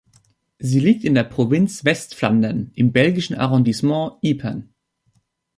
Sie liegt in der Provinz Westflandern im belgischen Arrondissement Ypern.